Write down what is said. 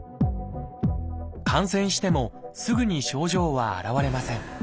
感染してもすぐに症状は現れません。